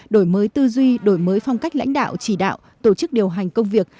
đổi mới tư duy đổi mới phong cách lãnh đạo chỉ đạo tổ chức điều hành công việc